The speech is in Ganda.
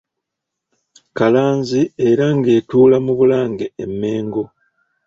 Kalanzi era ng'etuula mu Bulange e Mmengo.